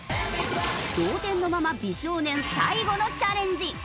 同点のまま美少年最後のチャレンジ。